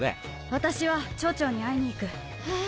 私は町長に会いに行く。え！